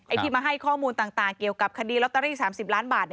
ที่มาให้ข้อมูลต่างเกี่ยวกับคดีลอตเตอรี่๓๐ล้านบาท